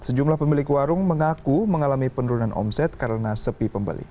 sejumlah pemilik warung mengaku mengalami penurunan omset karena sepi pembeli